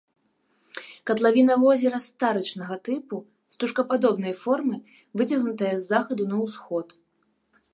Катлавіна возера старычнага тыпу, стужкападобнай формы, выцягнутая з захаду на ўсход.